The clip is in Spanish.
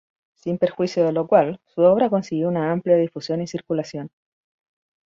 Sin perjuicio de lo cual, su obra consiguió una amplia difusión y circulación.